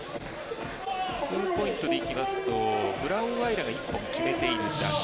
ツーポイントでいきますとブラウンアイラが１つ決めているだけ。